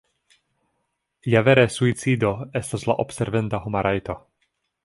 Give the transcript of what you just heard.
Ja vere suicido estas la observenda homa rajto!